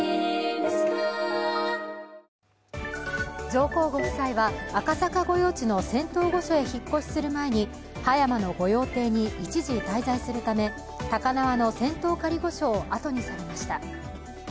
上皇ご夫妻は、赤坂御用地の仙洞御所へ引っ越しする前に、葉山の御用邸に一時滞在するため高輪の仙洞仮御所を後にされました。